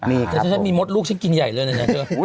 นี่ครับผมกระชุดที่มีมดลูกชิ้นกินใหญ่เลยนะเช่น